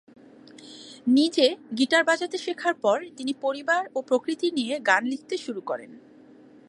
নিজে গিটার বাজাতে শেখার পর, তিনি পরিবার ও প্রকৃতি নিয়ে গান লিখতে শুরু করেন।